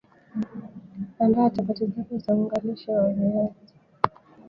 Andaa chapati zako za unga lishe wa viazi